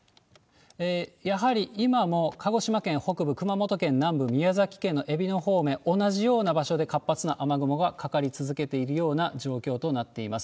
やはり今も鹿児島県北部、熊本県南部、宮崎県のえびの方面、同じような場所で活発な雨雲がかかり続けているような状況となっています。